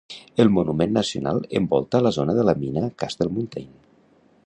El monument nacional envolta la zona de la mina Castle Mountain.